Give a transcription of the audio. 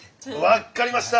わっかりました。